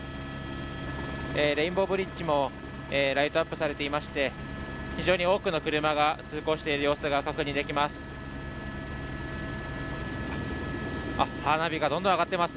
レインボーブリッジもライトアップされていまして非常に多くの車が通行している様子が確認できます。